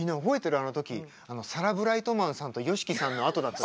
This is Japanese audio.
あのときサラ・ブライトマンさんとＹＯＳＨＩＫＩさんのあとだった。